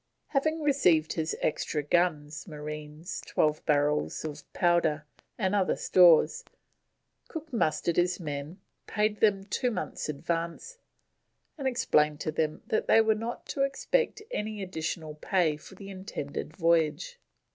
Having received his extra guns, marines, twelve barrels of powder, and other stores, Cook mustered his men, paid them two months advance, and explained to them that they were not to expect any additional pay for the intended voyage.